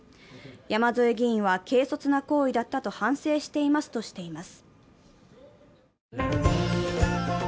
山添議員は軽率な行為だったと反省していますとしてまいす。